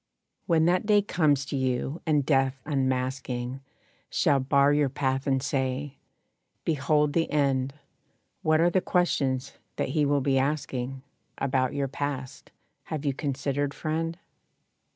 When that day comes to you, and Death, unmasking, Shall bar your path, and say, "Behold the end," What are the questions that he will be asking About your past? Have you considered, friend?